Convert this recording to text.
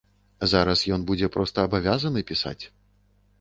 Зараз ён будзе проста абавязаны пісаць.